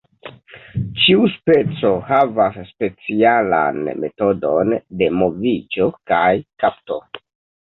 Ĉiu speco havas specialan metodon de moviĝo kaj kapto.